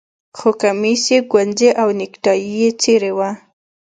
خو کمیس یې ګونځې او نیکټايي یې څیرې وه